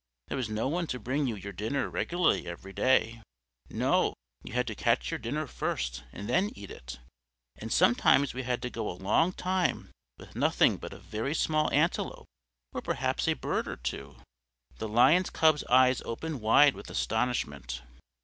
There was no one to bring you your dinner regularly every day; no, you had to catch your dinner first and then eat it, and sometimes we had to go a long time with nothing but a very small antelope or perhaps a bird or two." The Lion Cub's eyes opened wide with astonishment.